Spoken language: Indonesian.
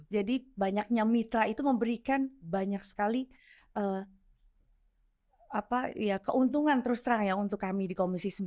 jadi banyaknya mitra itu memberikan banyak sekali keuntungan terus terang ya untuk kami di komisi sembilan